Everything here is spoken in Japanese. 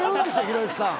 ひろゆきさん。